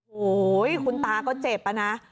โอ้โหคุณตาก็เจ็บอะนะ